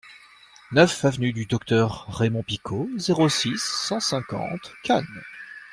neuf avenue du Docteur Raymond Picaud, zéro six, cent cinquante, Cannes